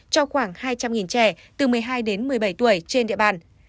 cho khoảng hai trăm linh trẻ từ một mươi hai đến một mươi bảy tuổi trên địa bàn